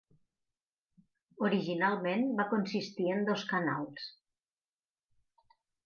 Originalment va consistir en dos canals.